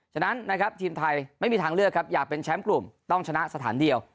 ฉะนั้นนะครับทีมไทยไม่มีทางเลือกครับอยากเป็นแชมป์กลุ่มต้องชนะสถานเดียว